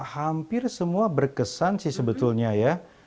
hampir semua berkesan sih sebetulnya ya